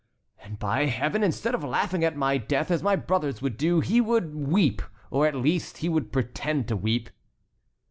And by Heaven! instead of laughing at my death as my brothers would do, he would weep, or at least he would pretend to weep."